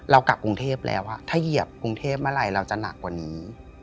เรากลับกรุงเทพแล้วถ้าเหยียบกรุงเทพเมื่อไหร่เราจะหนักกว่านี้